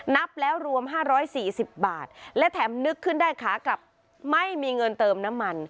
นับแล้วรวมห้าร้อยสี่สิบบาทและแถมนึกขึ้นได้ค่ะกับไม่มีเงินเติมน้ำมัน